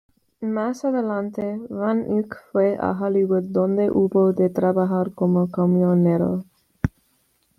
Más adelante Van Eyck fue a Hollywood, donde hubo de trabajar como camionero.